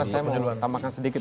saya mau tambahkan sedikit